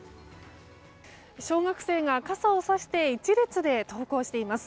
小学生が傘をさして１列で登校しています。